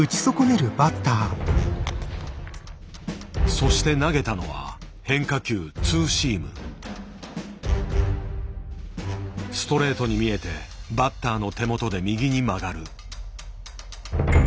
そして投げたのは変化球ストレートに見えてバッターの手元で右に曲がる。